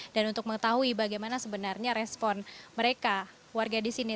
dan untuk mengetahui bagaimana sebenarnya respon mereka warga di sini